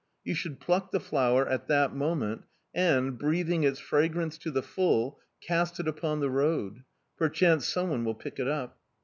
You should pluck the flower at that moment, and, breathing its fragrance to the full, cast it upon the road: perchance someone will pick it up!